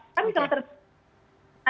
kami sangat terdengar